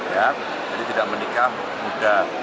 jadi tidak menikah mudah